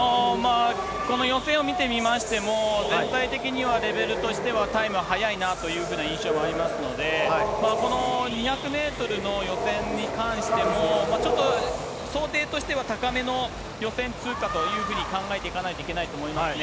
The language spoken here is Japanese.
この予選を見てみましても、全体的にはレベルとしてはタイムは速いなというふうな印象もありますので、この２００メートルの予選に関しても、ちょっと想定としては高めの予選通過というふうに考えていかないといけないと思いますね。